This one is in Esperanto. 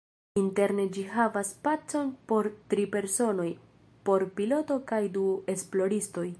Interne ĝi havas spacon por tri personoj, por piloto kaj du esploristoj.